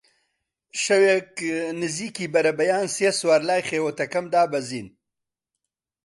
شەوێک نزیکی بەربەیان سێ سوار لای خێوەتەکەم دابەزین